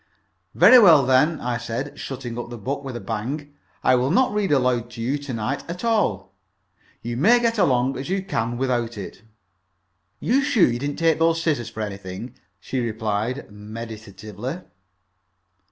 "Very well, then," I said, shutting up the book with a bang, "I will not read aloud to you to night at all. You may get along as you can without it." "You're sure you didn't take those scissors for anything?" she replied, meditatively.